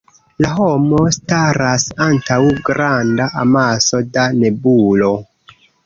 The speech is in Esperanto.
La homo staras antaŭ granda amaso da nebulo.